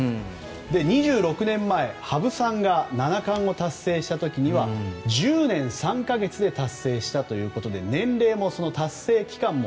２６年前羽生さんが七冠を達成した時は１０年３か月で達成したということで年齢も、達成期間も。